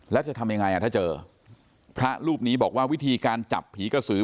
แล้วจะทำยังไงอ่ะถ้าเจอพระรูปนี้บอกว่าวิธีการจับผีกระสือ